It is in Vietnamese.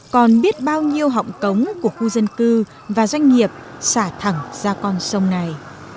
còn biết bao nhiêu họng cống của khu dân cư và doanh nghiệp xả thẳng ra con sông này